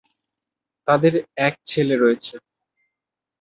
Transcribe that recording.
তাদের এক ছেলে রয়েছে।